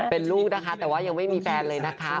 เป็นลูกนะคะแต่ว่ายังไม่มีแฟนเลยนะคะ